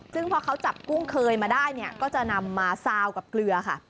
ซึ่งพอเขาจับกุ้งเคยมาได้เนี่ยก็จะนำมาซาวกับเกลือค่ะ